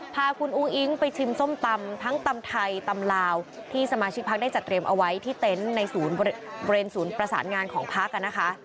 พาคุณอุ้งอิ๊งไปชิมส้มตำทั้งตำไทยตำลาวที่สมาชิกพักได้จัดเตรียมเอาไว้ที่เต็นต์ในศูนย์บริเวณศูนย์ประสานงานของพักนะคะ